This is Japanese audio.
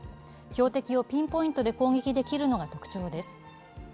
標的をピンポイントで攻撃できるのが特徴です。